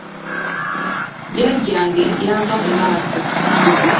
Jjajjange yanva ku maaso.